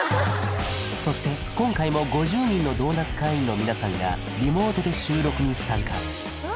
そして今回も５０人のドーナツ会員の皆さんがリモートで収録に参加うわ